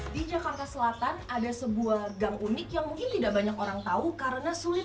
di jakarta selatan ada sebuah gang unik yang mungkin tidak banyak orang tahu karena sulit